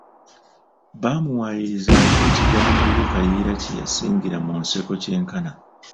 Baamuwaayiriza ate mu kigambo ye Kayiira kye yasingira mu nseko kyenkana.